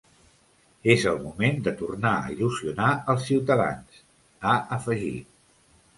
És el moment de tornar a il·lusionar els ciutadans, ha afegit.